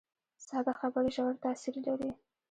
ساده خبرې ژور تاثیر لري